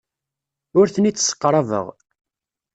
Ur ten-id-sseqrabeɣ.